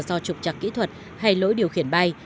có thể là do trục chặt kỹ thuật hay lỗi điều khiển bay